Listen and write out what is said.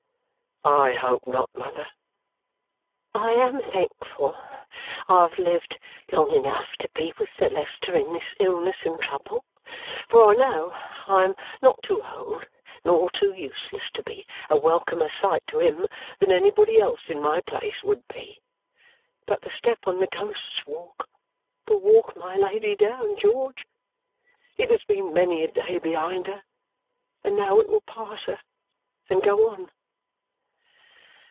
"I hope not, mother." "I am thankful I have lived long enough to be with Sir Leicester in this illness and trouble, for I know I am not too old nor too useless to be a welcomer sight to him than anybody else in my place would be. But the step on the Ghost's Walk will walk my Lady down, George; it has been many a day behind her, and now it will pass her and go on."